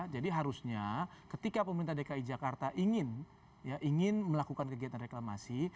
jadi harusnya ketika pemerintah dki jakarta ingin melakukan kegiatan reklamasi